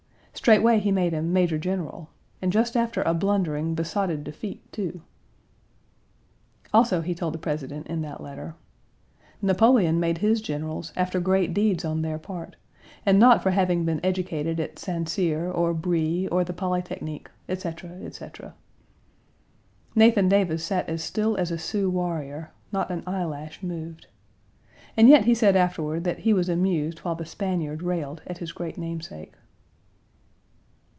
Straightway he made him major general, and just after a blundering, besotted defeat, too." Also, he told the President in that letter: "Napoleon made his generals after great deeds on their part, and not for having been educated at St. Cyr, or Brie, or the Polytechnique," etc., etc. Nathan Davis sat as still as a Sioux warrior, not an eyelash moved. And yet he said afterward that he was amused while the Spaniard railed at his great namesake.